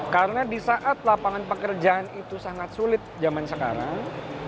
karena di saat lapangan pekerjaan itu sangat sulit zaman sekarang